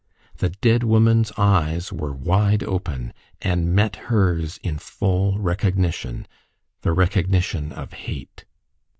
The dead woman's eyes were wide open, and met hers in full recognition the recognition of hate.